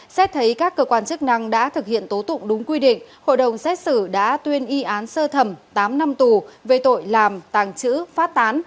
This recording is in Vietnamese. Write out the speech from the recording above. xét thấy các cơ quan chức năng đã thực hiện tố tụng đúng quy định hội đồng xét xử đã tuyên y án sơ thẩm tám năm tù về tội làm tàng trữ phát tán